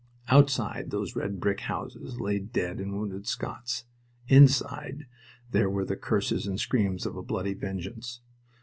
Outside those red brick houses lay dead and wounded Scots. Inside there were the curses and screams of a bloody vengeance.